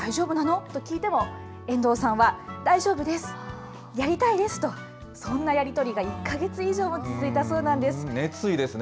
ところが、笠井さんが大丈夫なの？と聞いても、遠藤さんは大丈夫です、やりたいですと、そんなやり取りが１か月以上も続いたそうなんです。